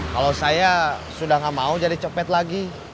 kalau saya sudah gak mau jadi copet lagi